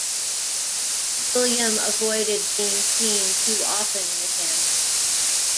William avoided being seen too often with him.